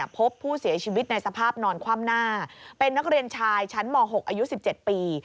พบผู้เสียชีวิตในสภาพนอนคว่ำหน้าเป็นนักเรียนชายชั้นม๖อายุ๑๗ปี